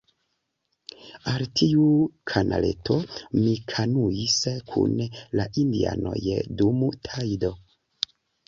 Al tiu kanaleto mi kanuis kun la indianoj dum tajdo.